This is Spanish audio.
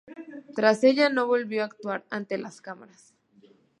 Tras ella no volvió a actuar ante las cámaras.